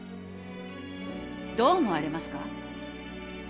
どう思われますか？